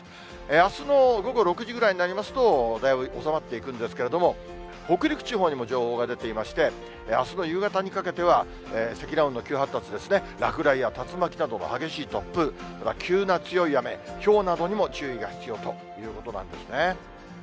あすの午後６時くらいになりますと、だいぶ収まっていくんですけれども、北陸地方にも情報が出ていまして、あすの夕方にかけては、積乱雲の急発達ですね、落雷や竜巻などの激しい突風、それから急な強い雨、ひょうなどにも注意が必要ということなんですね。